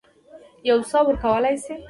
یو څه ورکولای سي.